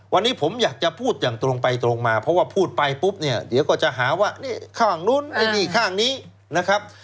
วันนี้ผมอยากจะพูดอย่างตรงไปตรงมาเพราะว่าพูดไปปุ๊บเนี่ยเดี๋ยวก็จะหาว่านี่ข้างนู้นไอ้นี่ข้างนี้นะครับ